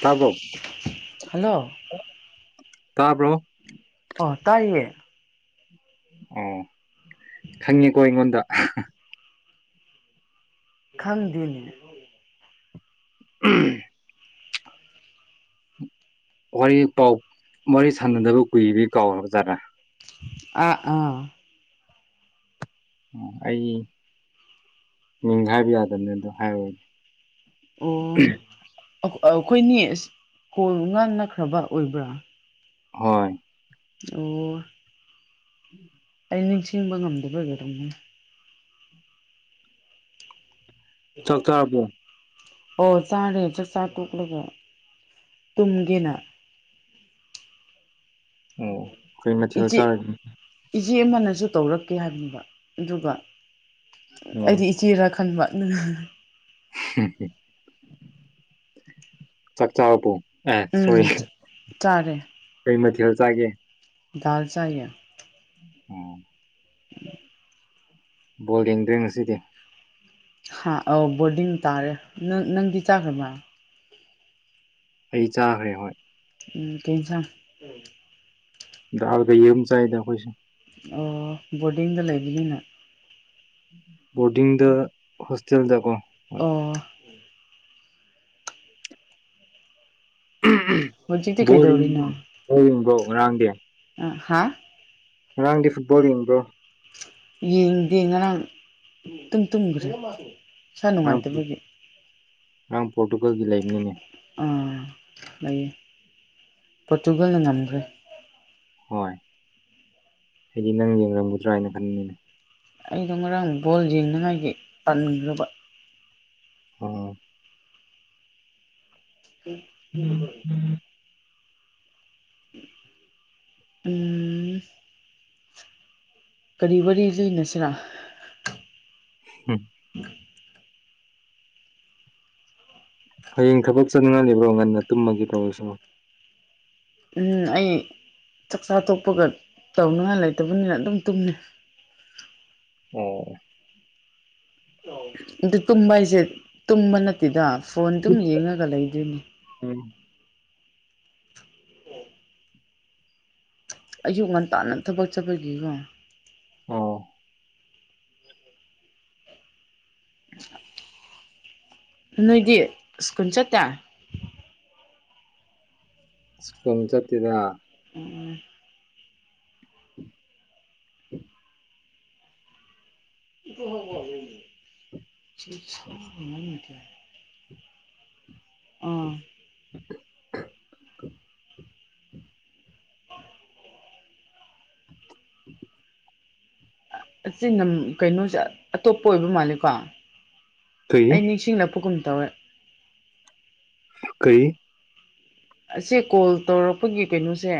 ꯇꯥꯕ꯭ꯔꯣ ꯍꯜꯂꯣ ꯇꯥꯕ꯭ꯔꯣ ꯑꯣ ꯇꯥꯏꯌꯦ ꯑꯣ ꯈꯪꯉꯦꯀꯣ ꯑꯩꯉꯣꯟꯗ ꯈꯪꯗꯦꯅꯦ [unintelligible] ꯋꯥꯔꯤ ꯄꯥꯎ ꯋꯥꯔꯤ ꯁꯥꯟꯅꯗꯕ ꯀꯨꯏꯕꯤ ꯀꯥꯎꯔꯕ ꯖꯥꯠꯔꯥ ꯑꯥ ꯑꯥ ꯑꯩ ꯃꯤꯡ ꯍꯥꯏꯕ ꯌꯥꯗꯝꯅꯤ ꯑꯗꯣ ꯍꯥꯏꯔꯛꯑꯣ ꯑꯣ ꯑꯩꯈꯣꯏꯅꯤ ꯑꯁ ꯀꯣꯜ ꯉꯥꯟꯅꯈ꯭ꯔꯕ ꯑꯣꯏꯕ꯭ꯔꯥ ꯍꯣꯏ ꯑꯣ [inaudible] ꯑꯩ ꯅꯤꯡꯁꯤꯡꯕ ꯉꯝꯗꯕꯩ ꯑꯣꯢꯔꯝꯅꯤ ꯆꯥꯛ ꯆꯥꯔꯕꯣ [unintelligible] ꯑꯣ ꯆꯥꯔꯦ ꯆꯥꯛ ꯆꯥ ꯇꯣꯛꯂꯒꯥ ꯇꯨꯝꯒꯦꯅꯥ ꯑꯣ ꯀꯩ ꯃꯊꯦꯜ ꯏꯆꯦ ꯆꯥꯔꯒꯦ ꯏꯆꯦ ꯑꯃꯅꯁꯨ ꯇꯧꯔꯛꯀꯦ ꯍꯥꯏꯕꯅꯦꯕ ꯑꯗꯨꯒ ꯎꯝ ꯑꯩꯗꯤ ꯆꯦꯔꯥ ꯈꯟꯕ ꯆꯥꯛ ꯆꯥꯔ꯭ꯕꯣ ꯑꯦ ꯁꯣꯔꯤ ꯎꯝ ꯆꯥꯔꯦ ꯀꯩ ꯃꯊꯦꯜ ꯆꯥꯒꯦ ꯗꯜ ꯆꯌꯦ ꯑꯣ [inaudible] ꯕꯣꯜ ꯌꯦꯡꯗ꯭ꯔꯦ ꯉꯁꯤꯗꯤ ꯍꯥ ꯑꯧ ꯕꯣꯔꯗꯤꯡ ꯇꯥꯔꯦ ꯅꯪ ꯅꯪꯗꯤ ꯆꯥꯈ꯭ꯔꯕ ꯑꯩ ꯆꯥꯈ꯭ꯔꯦ ꯍꯣꯏ ꯎꯝ ꯀꯩ ꯑꯦꯟꯁꯥꯡ ꯗꯗ ꯌꯦꯔꯨꯝ ꯆꯥꯏꯗ ꯑꯩꯈꯣꯏꯁꯦ ꯑꯣ ꯕꯣꯔꯗꯤꯡꯗ ꯂꯩꯕꯅꯤꯅ ꯕꯣꯔꯗꯤꯡꯗ ꯍꯣꯁꯇꯦꯜꯗꯀꯣ ꯍꯣꯏ ꯑꯣ ꯍꯧꯖꯤꯛꯤ ꯕꯣꯜ ꯀꯩꯗꯧꯔꯤ ꯅ ꯌꯦꯡꯕ꯭ꯔꯣ ꯕꯣꯜ ꯌꯦꯡꯕ꯭ꯔꯣ ꯉꯔꯥꯡꯗꯤ ꯑ ꯍꯥꯥ ꯔꯥꯡꯗꯤ ꯐꯨꯠꯕꯣꯜ ꯌꯦꯡ꯭ꯔꯣ ꯌꯦꯡꯗꯦ ꯉꯔꯥꯡ ꯇꯨꯝ ꯇꯨꯝꯈ꯭ꯔꯦ ꯏꯁꯥ ꯉꯔꯥꯡ ꯅꯨꯡꯉꯥꯏꯇꯕꯒꯤ ꯉꯔꯥꯡ ꯄꯣꯔꯇꯨꯒꯜꯒꯤ ꯂꯩꯕꯅꯤꯅꯦ ꯑꯥ ꯂꯩꯌꯦ ꯄꯣꯔꯇꯨꯒꯜꯅ ꯉꯝꯈ꯭ꯔꯦ ꯍꯣꯏ ꯍꯥꯏꯗꯤ ꯅꯪ ꯌꯦꯡꯔꯝꯒꯗ꯭ꯔꯥ ꯍꯥꯏꯅ ꯈꯟꯅꯤꯅꯦ ꯑꯩꯗꯣ ꯉꯔꯥꯡ ꯕꯣꯜ ꯌꯦꯡꯅꯉꯥꯏꯒꯤ ꯄꯥꯝꯅꯤꯡꯕ ꯎꯝ ꯎꯝ ꯎ ꯎꯝ ꯀꯔꯤ ꯋꯥꯔꯤ ꯂꯩꯅꯁꯤꯔꯥ ꯎꯝ ꯍꯌꯦꯡ ꯊꯕꯛ ꯆꯪꯅꯤꯡꯉꯕ꯭ꯔꯣ ꯉꯟꯅ ꯇꯨꯝꯃꯒꯒꯤ ꯇꯧꯔꯁꯨ ꯎꯝ ꯑꯩ ꯆꯥꯛꯆꯥ ꯊꯣꯛꯣꯛꯄꯒ ꯇꯧꯅꯤꯡꯉꯥꯏ ꯂꯩꯇꯕꯅꯤꯅ ꯑꯗꯨꯝ ꯇꯨꯝꯃꯦ ꯑꯣ ꯑꯗꯨ ꯇꯨꯝꯕ ꯍꯥꯏꯁꯦ ꯇꯨꯝꯕ ꯅꯠꯇꯦꯗ ꯐꯣꯟꯗꯨꯝ ꯌꯦꯡꯉꯒ ꯂꯩꯗꯣꯏꯅꯦ ꯎꯝ ꯑꯌꯨꯛ ꯉꯟꯇꯥꯟꯅ ꯊꯕꯛ ꯆꯠꯄꯒꯤꯀꯣ ꯑꯣ ꯅꯣꯏꯗꯤ ꯁꯁꯀꯨꯜ ꯆ ꯇꯌꯥ ꯁ꯭ꯀꯨꯜ ꯆꯠꯇꯗ ꯎꯝ ꯎ ꯎꯝ [unintelligible] ꯑꯥ [unintelligible] ꯍ ꯎꯝ ꯑꯁꯤ ꯅ ꯀꯩꯅꯣꯁꯦ ꯑꯇꯣꯞꯄ ꯑꯣꯏꯕ ꯃꯥꯂꯀꯣ ꯀꯔꯤ ꯑꯩ ꯅꯤꯡꯁꯤꯡꯂꯛꯄꯒꯨꯝ ꯇꯧꯋꯦ ꯀꯩ ꯑꯁꯦ ꯀꯣꯜ ꯇꯧꯔꯛꯄꯒꯤ ꯀꯩꯅꯣꯁꯦ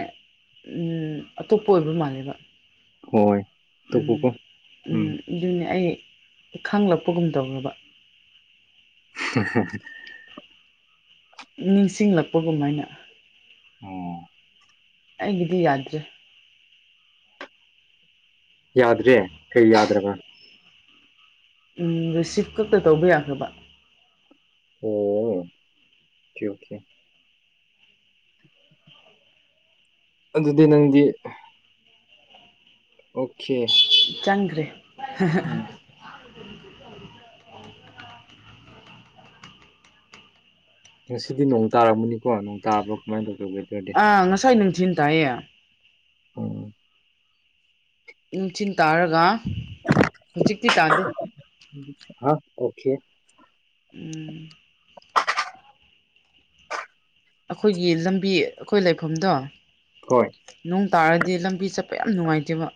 ꯑꯇꯣꯞꯄ ꯑꯣꯏꯕ ꯃꯥꯜꯂꯦꯕ ꯍꯣꯏ ꯇꯧꯕꯀꯣ ꯎꯝ ꯎꯝ ꯑꯗꯨꯅꯦ ꯑꯩ ꯈꯪꯂꯛꯄꯒꯨꯝ ꯇꯧꯔꯕ ꯍ ꯅꯤꯡꯁꯤꯡꯂꯛꯄꯒꯃꯥꯏꯅ ꯑꯣ ꯑꯩꯒꯤꯗꯤ ꯑꯖ ꯌꯥꯗ꯭ꯔꯦ ꯀꯩ ꯌꯥꯗ꯭ꯔꯕ ꯎ ꯔꯤꯁꯤꯞ ꯈꯛꯇ ꯇꯧꯕ ꯌꯥꯈ꯭ꯔꯕ ꯑꯣ ꯊ ꯑꯣꯀꯤꯦ ꯑꯗꯨꯗꯤ ꯅꯪꯗꯤ ꯑꯣꯀꯦ ꯆꯪꯈ꯭ꯔꯦ ꯎꯝ ꯁꯤꯗꯤ ꯅꯣꯡ ꯇꯥꯔꯝꯅꯤꯣ ꯅꯣꯡ ꯇꯥꯕ꯭ꯔꯣ ꯀꯃꯥꯏꯅ ꯇꯧꯒꯦ ꯋꯦꯗꯔ ꯑꯥ ꯉꯁꯥꯏ ꯅ ꯊꯤꯟꯅ ꯇꯌꯦ ꯎꯝ ꯅꯨꯡꯊꯤꯟ ꯇꯥꯔꯒ ꯍꯧꯖꯤꯛꯇꯤ ꯇꯥꯗꯦ ꯑꯣꯀꯦ [unintelligible] ꯑꯩꯈꯣꯏꯒꯤ ꯂꯝꯕꯤ ꯑꯩꯈꯣꯏ ꯂꯩꯐꯝꯗꯣ ꯍꯣꯏ ꯅꯣꯡ ꯇꯥꯔꯗꯤ ꯂꯝꯕꯤ ꯆꯠꯄ ꯌꯥꯝ ꯅꯨꯡꯉꯥꯏꯇꯦꯕ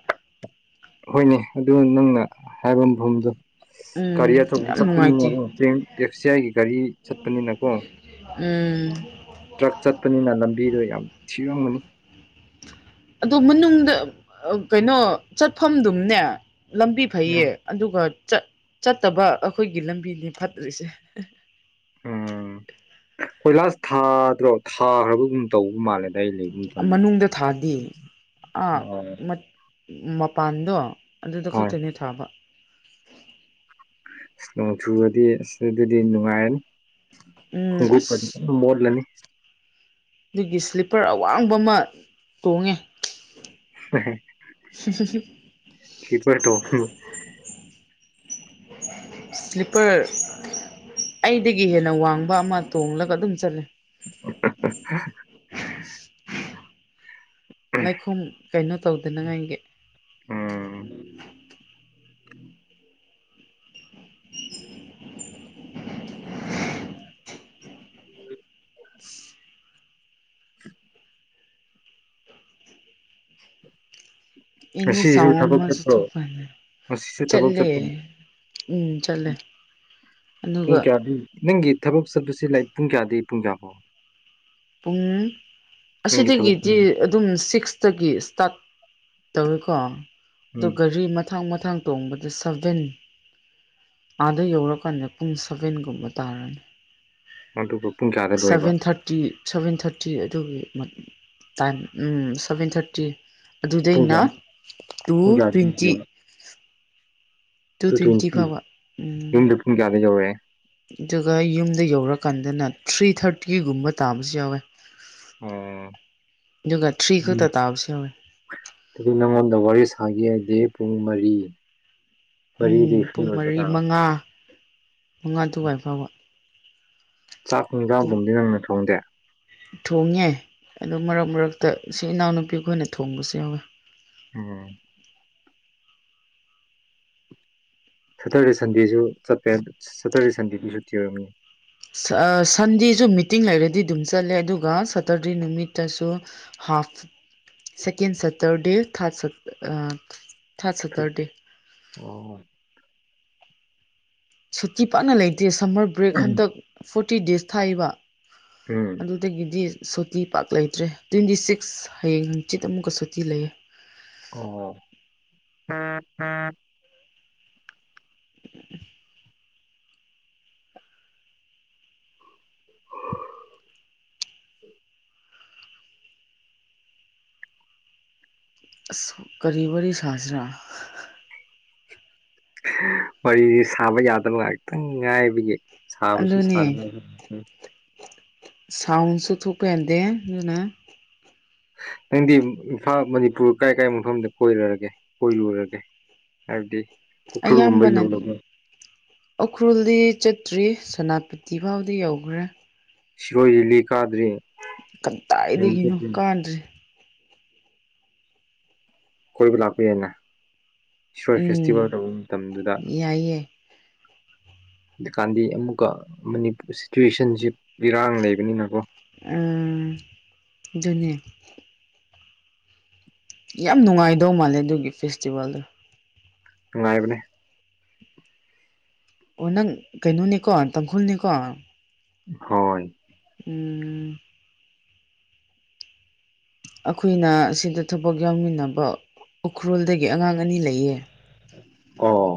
ꯍꯣꯏꯅꯦ ꯑꯗꯨ ꯅꯪꯅ ꯍꯥꯏꯕ ꯃꯐꯝꯗꯣ ꯒꯥꯔꯤ ꯎꯝ ꯑꯆꯧꯕ ꯌꯥꯝ ꯅꯨꯡꯉꯥꯏꯇꯦ ꯆꯠꯄꯅꯤꯅꯀ ꯇ꯭ꯔꯦꯟ ꯇꯦꯛꯁꯤꯌꯥꯥꯏꯒꯤ ꯒꯥꯔꯤ ꯆꯠꯄꯅꯤꯅꯀꯣ ꯎꯝ ꯇ꯭ꯔꯛ ꯆꯠꯄꯅꯤꯅ ꯂꯝꯕꯤꯗꯣ ꯌꯥꯝ ꯊꯤꯔꯝꯒꯅꯤ ꯑꯗꯣ ꯃꯅꯨꯡꯗ ꯀꯩꯅꯣ ꯆꯠꯐꯝꯗꯨꯝꯅꯦ ꯂꯝꯕꯤ ꯐꯩꯌꯦ ꯎꯝ ꯑꯗꯨꯒꯠ ꯆꯠꯇꯕ ꯑꯩꯈꯣꯏꯒꯤ ꯂꯝꯕꯤꯅꯤ ꯐꯠꯇ꯭ꯔꯤꯁꯦ ꯎꯝ ꯀꯣꯏ ꯂꯥꯁ ꯊꯥꯗ꯭ꯔꯣ ꯊꯥꯈ꯭ꯔꯕꯒꯨꯝ ꯇꯧꯕ ꯃꯥꯜꯂꯦ ꯃꯅꯨꯡꯗ ꯊꯥꯗꯤ ꯑ ꯑꯣ ꯃꯄꯥꯟꯗꯣ ꯑꯗꯨꯗ ꯍꯣꯏ ꯈꯛꯇꯅꯦ ꯊꯥꯕ ꯅꯣꯡꯆꯨꯕꯗꯤ ꯑꯁꯤ ꯑꯗꯨꯗꯤ ꯅꯨꯡꯉꯥꯏꯔꯅꯤ ꯎꯝ ꯈꯣꯡꯎꯞꯀꯗꯤ ꯑꯁ ꯀ ꯃꯣꯠꯂꯅꯤ ꯑꯗꯨꯒꯤ ꯁ꯭ꯂꯤꯞꯄꯔ ꯑꯋꯥꯡꯕ ꯑꯃ ꯇꯣꯡꯉꯦ ꯎ ꯁ ꯁꯦ ꯁꯦ ꯁꯤꯄꯔꯗꯣ ꯁ꯭ꯂꯤꯄꯔ ꯑꯩꯗꯒꯤ ꯍꯦꯟꯅ ꯋꯥꯡꯕ ꯑꯃ ꯇꯣꯡꯂꯒ ꯑꯗꯨꯝ ꯆꯠꯂꯦ [unintelligible] ꯂꯩꯥꯏꯈꯣꯨꯝ ꯀꯩꯅꯣ ꯇꯧꯗꯅꯉꯥꯏꯒꯤ ꯎꯝ [unintelligible] ꯏꯒꯤ ꯉꯁꯤꯁꯨ ꯁꯥꯎ ꯊꯕꯛ ꯑꯃꯁꯨ ꯆꯠꯄ꯭ꯔꯣ ꯊꯣꯛ [unintelligible] ꯄꯥꯟꯗ ꯉꯁꯤꯁꯨ ꯊꯕꯛ ꯆꯠꯂꯦ ꯆꯠꯄ ꯎꯝ ꯆꯠꯂꯦ ꯄꯨꯡ ꯑꯗꯨꯒ ꯀꯌꯥꯗꯤ ꯅꯪꯒꯤ ꯊꯕꯛ ꯆꯠꯄꯁꯤ ꯂꯥꯏ ꯄꯨꯡ ꯀꯌꯥꯗꯤ ꯄꯨꯡ ꯀꯌꯥ ꯐꯥꯎ ꯄꯨꯡ ꯑꯁꯤꯗꯒꯤꯗꯤ ꯑꯗꯨꯝ ꯁꯤꯛꯁꯇꯒꯤ ꯏꯁꯇꯥꯔꯠ ꯇꯧꯋꯀꯣ ꯑꯗꯣ ꯎꯝ ꯒꯥꯔꯤ ꯃꯊꯥꯡ ꯃꯊꯥꯡ ꯇꯣꯡꯕꯗ ꯁꯚꯦꯟ ꯑꯥꯗ ꯌꯧꯔꯀꯥꯟꯗ ꯄꯨꯡ ꯁꯚꯦꯟꯒꯨꯝꯕ ꯇꯥꯔꯅꯤ ꯑꯗꯨꯒ ꯄꯨꯡ ꯀꯌꯥꯗ ꯂꯣꯏꯕ ꯁꯚꯦꯟ ꯊꯥꯔꯇꯤ ꯁꯚꯦꯟ ꯊꯥꯔꯇꯤ ꯑꯗꯨꯒꯤ ꯇꯥꯏꯝ ꯁꯚꯦꯟ ꯊꯥꯔꯇꯤ ꯄꯨꯡ ꯑꯗꯨꯗꯩꯅ ꯀꯌꯥ ꯇꯨ ꯄꯨꯡ ꯇ꯭ꯋꯦꯟꯇꯤ ꯀꯌꯥꯗ ꯇꯨ ꯇ꯭ꯋꯦꯟꯇꯤ ꯐꯥꯎꯕ ꯎꯝ ꯌꯨꯝꯗ ꯄꯨꯡ ꯀꯌꯥꯗ ꯌꯧꯔꯛꯑꯦ ꯑꯗꯨꯒ ꯌꯨꯝꯗ ꯌꯧꯔꯀꯥꯟꯗꯅ ꯊ꯭ꯔꯤ ꯊꯥꯔꯇꯤꯒꯨꯝꯕ ꯇꯥꯕꯁꯨ ꯌꯥꯎꯋꯦ ꯑꯣ ꯑꯗꯨꯒ ꯊ꯭ꯔꯤ ꯈꯛꯇ ꯇꯕꯁꯨ ꯌꯥꯎꯋꯦ ꯑꯗꯨ ꯅꯪꯉꯣꯟꯗ ꯋꯥꯔꯤ ꯁꯥꯒꯦ ꯍꯥꯏꯗꯤ ꯄꯨꯡ ꯃꯔꯤ ꯎꯝ ꯃꯔꯤꯗꯤ ꯐ꯭ꯔꯤ ꯄꯨꯡ ꯑꯣꯏꯕ ꯃꯔꯤ ꯇꯥꯕ ꯃꯉꯥ ꯃꯉꯥ ꯑꯗꯨꯋꯥꯏ ꯐꯥꯎꯕ ꯆꯥꯛ ꯑꯗꯨꯝ ꯌꯦꯡꯁꯥꯡꯕꯨꯗꯤ ꯅꯪꯅ ꯊꯣꯡꯗꯦ ꯊꯣꯡꯉꯦ ꯑꯗꯨ ꯃꯔꯛ ꯃꯔꯛꯇ ꯏꯅꯥꯎꯅꯨꯄꯤ ꯈꯣꯏꯅ ꯊꯣꯡꯕꯁꯨ ꯌꯥꯎꯋꯦ ꯑꯣꯝ ꯁꯦꯇꯔꯗꯦ ꯁꯟꯗꯦꯁꯨ ꯆꯠꯂꯦ ꯁꯦꯇꯔꯗꯦ ꯁꯟꯗꯦꯗꯤ ꯁꯨꯇꯤ ꯑꯣꯏꯔꯝꯒꯅꯤ ꯁꯟꯗꯦꯁꯨ ꯃꯤꯇꯤꯡ ꯂꯩꯔꯗꯤ ꯑꯗꯨꯝ ꯆꯠꯂꯦ ꯑꯗꯨꯒ ꯁꯇꯔꯗꯦ ꯅꯨꯃꯤꯠꯇꯁꯨ half second Saturday third third Saturday ꯑꯣ ꯁꯨꯇꯤ ꯄꯥꯛꯅ ꯂꯩꯇꯦ ꯁꯝꯃꯔ ꯕ꯭ꯔꯦꯛ ꯍꯟꯗꯛ ꯐꯣꯔꯇꯤ ꯗꯦꯖ ꯊꯥꯏꯕ ꯎꯝ ꯑꯗꯨꯗꯒꯤꯗꯤ ꯁꯣꯇꯤ ꯄꯥꯛ ꯂꯩꯇ꯭ꯔꯦ ꯇ꯭ꯋꯦꯟꯇꯤ ꯁꯤꯛꯁ ꯍꯌꯦꯡ ꯍꯪꯆꯤꯠ ꯑꯃꯨꯛꯀ ꯁꯨꯇꯤ ꯂꯩꯌꯦ ꯑꯣ [unintelligible] ꯑꯁ ꯀꯔꯤ ꯋꯥꯔꯤ ꯁꯥꯁꯤꯔꯥ ꯋꯥꯔꯤꯁꯤ ꯁꯥꯕ ꯌꯥꯗꯕ ꯉꯥꯏꯍꯥꯛꯇꯪ ꯉꯥꯏꯕꯒꯤ ꯁꯥꯕꯁꯨ ꯑꯗꯨꯅꯦ ꯁꯥꯅ ꯁꯥꯎꯟꯁꯨ ꯊꯣꯛꯄ ꯌꯥꯗꯦ ꯑꯗꯨꯅ ꯅꯪꯗꯤ ꯏꯝꯐꯥꯜ ꯃꯅꯤꯄꯨꯔ ꯀꯥꯏ ꯀꯥꯏ ꯃꯐꯝꯗ ꯀꯣꯏꯔꯒꯦ ꯀꯣꯏꯔꯨꯔꯒꯦ ꯍꯥꯏꯕꯗꯤ ꯎꯈ꯭ꯔꯨꯜꯒꯨꯝꯕ ꯑꯌꯥꯝꯕꯅ ꯌꯧꯔꯕ꯭ꯔꯣ ꯎꯈ꯭ꯔꯨꯜꯗꯤ ꯆꯠꯇ꯭ꯔꯤ ꯁꯣꯅꯥꯄꯇꯤ ꯐꯥꯎꯗꯤ ꯌꯧꯈ꯭ꯔꯦ ꯁꯤꯔꯣꯏ ꯂꯤꯂꯤ ꯀꯥꯗ꯭ꯔꯤ ꯀꯟꯗꯥꯏꯗꯒꯤꯅꯣ ꯀꯥꯗ꯭ꯔꯤ ꯀꯣꯏꯕ ꯂꯥꯛꯄ ꯌꯥꯏꯅ ꯏꯁꯔꯣꯏ ꯎꯝ ꯐꯦꯁꯇꯤꯚꯦꯜ ꯇꯧꯕ ꯃꯇꯝꯗꯨꯗ ꯌꯥꯏꯌꯦ ꯑꯗꯨꯀꯥꯟꯗꯤ ꯑꯃꯨꯛꯀ ꯃꯅꯤꯄꯨꯔ ꯁꯤꯆꯨꯋꯦꯁꯟꯁꯤ ꯏꯔꯥꯡ ꯂꯩꯕꯅꯤꯅꯀꯣ ꯎꯝ ꯑꯗꯨꯅꯦ ꯌꯥꯝ ꯅꯨꯡꯉꯥꯏꯗꯧ ꯃꯥꯜꯂꯦ ꯑꯗꯨꯒꯤ ꯐꯦꯁꯇꯤꯚꯦꯜꯗꯣ ꯅꯨꯡꯉꯥꯏꯕꯅꯦ ꯑꯣ ꯅꯪ ꯀꯩꯅꯣꯅꯤꯀꯣ ꯇꯥꯡꯈꯨꯜꯅꯤꯀꯣ ꯍꯣꯏ ꯎꯝ ꯑꯩꯈꯣꯏꯅ ꯁꯤꯗ ꯊꯕꯛ ꯌꯥꯎꯃꯤꯟꯅꯕ ꯎꯈ꯭ꯔꯨꯜꯗꯒꯤ ꯑꯉꯥꯡ ꯑꯅꯤ ꯂꯩꯌꯦ ꯑꯣ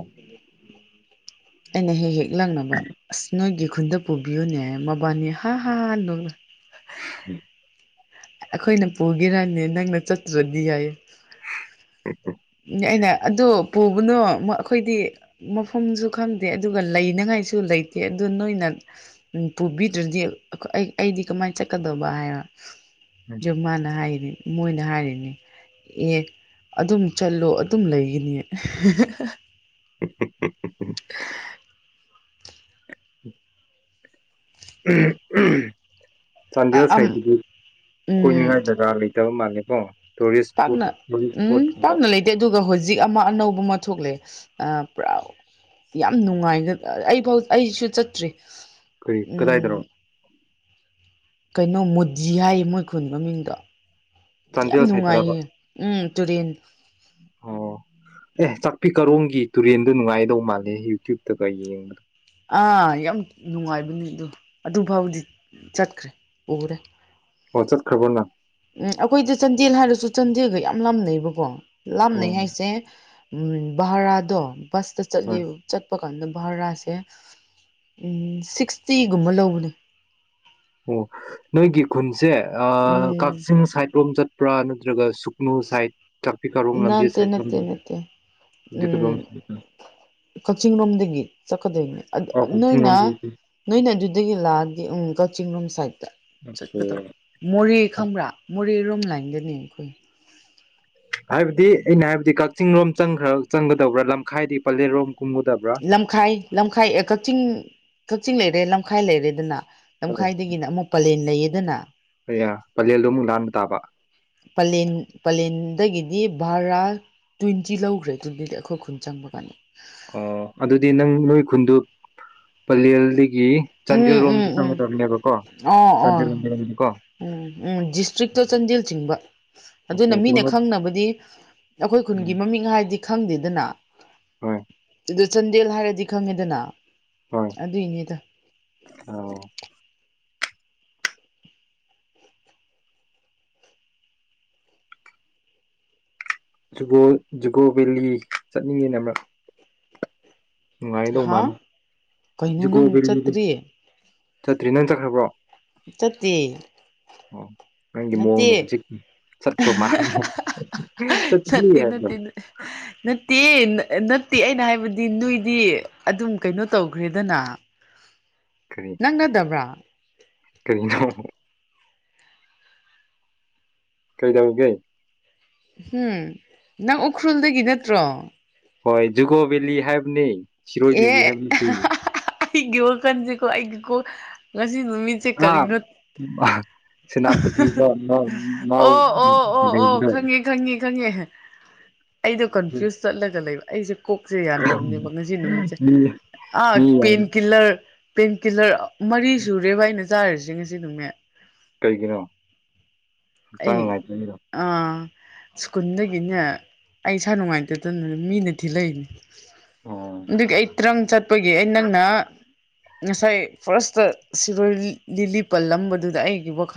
ꯑꯩꯅ ꯍꯦꯛ ꯍꯦꯛ ꯂꯪꯅꯕ ꯑꯁ ꯅꯣꯏꯒꯤ ꯈꯨꯟꯗ ꯄꯨꯕꯤꯌꯨꯅꯦ ꯃꯕꯥꯅꯤ ꯍꯥ ꯍꯥꯥ ꯅꯣꯛꯏ ꯎꯝ ꯑꯩꯈꯣꯏꯅ ꯄꯨꯒꯔꯅꯦ ꯅꯪꯅ ꯆꯠꯇꯨꯔꯗꯤ ꯌꯥꯏꯌꯦ ꯑꯩꯅ ꯑꯗꯣ ꯄꯨꯒꯅꯣ ꯑꯩꯈꯣꯏꯗꯤ ꯃꯐꯝꯁꯨ ꯈꯪꯗꯦ ꯑꯗꯨꯒ ꯂꯩꯅꯉꯥꯏꯁꯨ ꯂꯩꯇꯦ ꯑꯗꯨ ꯅꯣꯏꯅ ꯎꯝ ꯄꯨꯕꯤꯗ꯭ꯔꯗꯤ ꯑꯩ ꯑꯩꯗꯤ ꯀꯃꯥꯏꯅ ꯆꯠꯀꯗꯧꯕ ꯍꯥꯏꯕ ꯖꯣ ꯃꯥꯅ ꯍꯥꯏꯔꯤ ꯃꯣꯏꯅ ꯍꯥꯏꯔꯤꯅꯦ ꯑꯦ ꯑꯗꯨꯝ ꯆꯠꯂꯣ ꯑꯗꯨꯝ ꯂꯩꯒꯅꯤ ꯎ ꯎ [unintelligible] [inaudible] [unintelligible] ꯆꯥꯟꯗꯤꯒꯔ ꯑꯝ ꯁꯥꯏꯠꯇꯒꯤ ꯎꯝ ꯀꯣꯏꯅꯤꯡꯉꯥꯏ ꯖꯥꯒ ꯂꯩꯇꯦ ꯃꯥꯜꯂꯦꯀꯣ ꯇꯨꯔꯤꯁ ꯏꯁꯄꯣꯠ ꯄꯥꯛꯅ ꯇꯨꯔꯤꯁ ꯏꯁꯄꯨꯠ ꯎꯝ ꯀꯨꯝꯕ ꯄꯥꯛꯅ ꯂꯩꯇꯦ ꯑꯗꯨꯒ ꯍꯧꯖꯤꯛ ꯑꯃ ꯑꯅꯧꯕ ꯑꯃ ꯊꯣꯛꯂꯦ ꯄꯨꯔꯥ ꯌꯥꯝ ꯅꯨꯡꯉꯥꯏꯒ ꯑꯩꯥꯐꯥꯎ ꯑꯩꯁꯨ ꯆꯠꯇ꯭ꯔꯤ ꯀꯔꯤ ꯀꯗꯥꯏꯗꯔꯣ ꯎꯝ ꯀꯩꯅꯣ ꯃꯨꯖꯤ ꯍꯥꯏꯌꯦ ꯃꯣꯏ ꯈꯨꯟ ꯃꯃꯤꯡꯗꯣ ꯌꯥꯝ ꯆꯥꯟꯗꯦꯜ ꯁꯥꯏꯠꯇꯔꯕ ꯅꯨꯡꯉꯥꯏꯌꯦ ꯎꯝ ꯇꯨꯔꯦꯟ ꯑꯣ ꯑꯦ ꯆꯥꯛꯄꯤ ꯀꯔꯣꯡꯝꯒꯤ ꯇꯨꯔꯦꯟꯗꯣ ꯅꯨꯡꯉꯥꯏꯗꯧ ꯃꯥꯜꯂꯦ ꯌꯨꯇ꯭ꯌꯨꯞꯇꯒ ꯌꯦꯡꯕꯗ ꯑꯥ ꯌꯥꯝ ꯅꯨꯡꯉꯥꯏꯕꯅꯤ ꯑꯗꯨ ꯑꯗꯨ ꯐꯥꯎꯗꯤ ꯆꯠꯈ꯭ꯔꯦ ꯎꯔꯦ ꯑꯣ ꯆꯠꯔꯈꯕ ꯅꯪ ꯎꯝ ꯑꯩꯈꯣꯏꯗ ꯆꯥꯟꯗꯦꯜ ꯍꯥꯏꯔꯁꯨ ꯆꯥꯟꯗꯦꯜꯒ ꯌꯥꯝ ꯂꯥꯅꯩꯕꯀꯣ ꯑꯣ ꯂꯥꯞꯅꯩ ꯍꯥꯏꯁꯦ ꯚꯥꯔꯥꯗꯣ ꯕꯁꯇ ꯍꯣꯏ ꯆꯠꯂꯤ ꯆꯠꯄ ꯀꯥꯟꯗ ꯚꯔꯥꯁꯦ ꯁꯤꯛꯁꯇꯤꯒꯨꯝꯕ ꯂꯧꯕꯅꯦ ꯑꯣ ꯅꯣꯏꯒꯤ ꯈꯨꯟꯁꯦ ꯎꯝ ꯀꯛꯆꯤꯡ ꯁꯥꯏꯠꯔꯣꯝ ꯆꯠꯄ꯭ꯔꯥ ꯅꯠꯇ꯭ꯔꯒ ꯁꯨꯛ ꯅꯨ ꯁꯥꯏꯠ ꯇ꯭ꯔꯥꯐꯤꯛ ꯑꯔꯣꯝ ꯂꯝꯕꯤ ꯅꯠꯇꯦ ꯁꯥꯏꯇ ꯅꯠꯇꯦ ꯅꯠꯇꯦ ꯎꯝ [unintelligible] ꯀꯛꯆꯤꯡ ꯂꯣꯝꯗꯒꯤ ꯆꯠꯀꯗꯣꯏꯅꯤ ꯑꯗꯣ ꯑꯣ ꯀꯛꯆꯤꯡ ꯅꯣꯏꯅ ꯂꯣꯝꯗ ꯅꯣꯏꯅ ꯑꯗꯨꯗꯒꯤ ꯂꯥꯛꯑꯗꯥ ꯎꯝ ꯀꯛꯆꯤꯡꯡꯂꯣꯝ ꯁꯥꯏꯗꯠꯇ ꯑꯣꯀꯦ ꯆꯠꯀꯗ ꯃꯣꯔꯦ ꯈꯪꯕ꯭ꯔꯥ ꯃꯣꯔꯦꯔꯣꯝ ꯂꯥꯏꯟꯗꯅꯦ ꯑꯩꯈꯣꯏ ꯍꯥꯏꯕꯗꯤ ꯑꯩꯅ ꯍꯥꯏꯕꯗꯤ ꯀꯛꯆꯤꯡ ꯂꯣꯝ ꯆꯪꯈ꯭ꯔ ꯆꯪꯒꯗꯕ꯭ꯔꯥ ꯂꯝꯈꯥꯏꯗꯤ ꯄꯂꯦꯜꯔꯣꯝ ꯀꯨꯝꯒꯗꯕ꯭ꯔꯥ ꯂꯝꯈꯥꯏ ꯂꯝꯈꯥꯏ ꯀꯛꯆꯤꯡ ꯀꯛꯆꯤꯡ ꯂꯩꯔꯦ ꯂꯝꯈꯥꯏ ꯂꯩꯔꯦꯗꯅ ꯂꯝꯈꯥꯏꯗꯒꯤꯅ ꯑꯃꯨꯛ ꯄꯂꯦꯟ ꯂꯩꯌꯦꯗꯅ ꯍ ꯄꯂꯦꯜꯗꯨꯣ ꯑꯃꯨꯛ ꯂꯥꯟꯕ ꯇꯥꯕ ꯄꯂꯦꯟ ꯄꯂꯦꯟꯗꯒꯤꯗꯤ ꯚꯔꯥ ꯇ꯭ꯋꯦꯟꯇꯤ ꯂꯧꯈ꯭ꯔꯦ ꯇ꯭ꯋꯦꯟꯇꯤꯗꯤ ꯑꯩꯈꯣꯏ ꯈꯨꯟ ꯆꯪꯕ ꯀꯥꯟꯗ ꯑꯣ ꯑꯗꯨꯗꯤ ꯅꯪ ꯅꯣꯏ ꯈꯨꯟꯗꯨ ꯄꯂꯦꯜꯗꯒꯤ ꯆꯥꯟꯗꯦꯜ ꯎꯝ ꯎꯝ ꯂꯣꯝꯗ ꯎꯝ ꯆꯪꯒꯗꯕꯅꯦꯕꯀꯣ ꯑꯣ ꯑꯣ ꯆꯥꯟꯗꯦꯜ ꯂꯣꯝꯗꯅꯤꯀꯣ ꯎꯝ ꯎꯝ ꯗꯤꯁꯇ꯭ꯔꯤꯛꯇ ꯆꯥꯟꯗꯦꯜ ꯆꯤꯡꯕ ꯑꯣꯀꯦ ꯑꯗꯨꯅ ꯃꯤꯅ ꯀꯤꯂꯣꯃꯤꯠ ꯈꯪꯅꯕꯗꯤ ꯑꯩꯈꯣꯏ ꯈꯨꯟꯒꯤ ꯎꯝ ꯃꯃꯤꯡ ꯍꯥꯏꯗꯤ ꯈꯪꯗꯦꯗꯅ ꯍꯣꯏ ꯑꯗ ꯆꯥꯟꯗꯦꯜ ꯍꯥꯏꯔꯗꯤ ꯈꯪꯉꯦꯗꯅ ꯍꯣꯏ ꯑꯗꯨꯏꯅꯦꯗ ꯑꯣ ꯖꯨꯒꯣ ꯖꯨꯒꯣ ꯕꯦꯂꯤ ꯆꯠꯅꯤꯡꯉꯦꯅ ꯑꯃꯛ ꯅꯨꯡꯉꯥꯏꯒꯗꯧ ꯍꯥ ꯃꯥꯅ ꯀꯩꯅꯣ ꯅꯪ ꯆꯠꯇ꯭ꯔꯤꯌꯦ ꯆꯠꯇ꯭ꯔꯤ ꯅꯪ ꯆꯠꯈ꯭ꯔꯕ꯭ꯔꯣ ꯆꯠꯇꯦ ꯑꯣ ꯅꯪꯒꯤ ꯅꯠꯇꯦ ꯃꯑꯣꯡꯗ ꯍꯧꯖꯤꯛ ꯆꯠꯄ ꯅꯠꯇꯦ ꯆꯠꯄ ꯅꯠꯇꯦ ꯅꯠꯇꯦ ꯅꯠꯇꯦ ꯑꯩꯅ ꯍꯥꯏꯕꯗꯤ ꯅꯣꯏꯗꯤ ꯑꯗꯨꯝ ꯀꯩꯅꯣ ꯇꯧꯈ꯭ꯔꯦꯗꯅ ꯀꯔꯤ ꯅꯪꯅꯗꯕ꯭ꯔꯥ ꯀꯅꯣ ꯀꯩ ꯇꯧꯒꯦ ꯎꯝ ꯅꯪ ꯎꯈ꯭ꯔꯨꯜꯗꯒꯤ ꯅꯠꯇ꯭ꯔꯣ ꯍꯣꯏ ꯖꯨꯀꯣ ꯚꯦꯂꯤ ꯍꯥꯏꯕꯅꯤ ꯑꯦ ꯑꯩꯒꯤ ꯋꯥꯈꯜꯁꯤꯀꯣ ꯑꯩꯒꯤꯀꯣ ꯉꯁꯤ ꯅꯨꯃꯤꯠ [unintelligible] ꯁꯦꯅꯥꯄꯇꯤꯗ ꯃꯥꯎ ꯃꯥꯎ ꯑꯣ ꯑꯣ ꯑꯣ ꯑꯣ ꯌꯧꯕꯗꯣ ꯈꯪꯉꯦ ꯈꯪꯉꯦ ꯈꯪꯉꯦꯍ ꯑꯩꯗꯣ ꯀꯟꯐ꯭ꯌꯨꯁ ꯆꯠꯂꯒ ꯂꯩꯕ ꯑꯩꯁꯦ ꯀꯣꯛꯁꯦ ꯌꯥꯗ꯭ꯔꯕꯅꯦꯕ ꯉꯁꯤ ꯅꯨꯃꯤꯠꯁꯦ ꯃꯤ ꯑꯥ ꯃꯤ ꯌꯥꯝ ꯄꯦꯟꯀꯤꯤꯜꯂꯔ ꯄꯦꯟꯀꯤꯜꯂꯔ ꯃꯔꯤ ꯁꯨꯔꯦꯕꯥ ꯑꯩꯅ ꯆꯥꯔꯤꯁꯦ ꯉꯁꯤ ꯅꯨꯃꯤꯠ ꯀꯩꯒꯤꯅꯣ ꯍꯛꯆꯥꯡ ꯑꯩ ꯉꯥꯏꯇꯕꯒꯤꯔꯣ꯫ ꯑꯥ ꯁ꯭ꯀꯨꯜꯗꯒꯤꯅꯦ ꯑꯩ ꯏꯁꯥ ꯅꯨꯡꯉꯥꯏꯇꯗꯅ ꯃꯤꯅ ꯊꯤꯜꯂꯛꯏꯅꯦ ꯑꯣ ꯑꯗꯨꯒꯤ ꯑꯩ ꯇ꯭ꯔꯪ ꯆꯠꯄꯒꯤ ꯑꯩ ꯅꯪꯅ ꯉꯁꯥꯏ ꯐꯥꯔꯁꯇ ꯁꯤꯔꯣꯏ ꯂꯤꯂꯤ ꯄꯜꯂꯝꯕꯗꯨꯗ ꯑꯩꯒꯤ ꯋꯥꯈꯜ